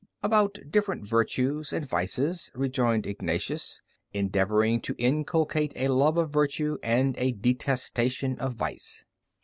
"About different virtues and vices," rejoined Ignatius, "endeavoring to inculcate a love of virtue and a detestation of vice."